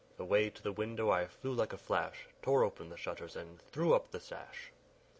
Away to the window I flew like a flash, Tore open the shutters and threw up the sash.